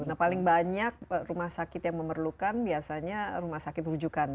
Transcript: nah paling banyak rumah sakit yang memerlukan biasanya rumah sakit rujukan